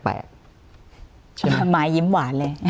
ทำไมยิ้มหวานเลย